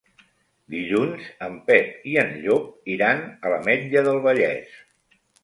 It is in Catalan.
Dilluns en Pep i en Llop iran a l'Ametlla del Vallès.